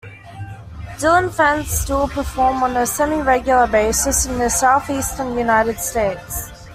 Dillon Fence still perform on a semi-regular basis in the Southeastern United States.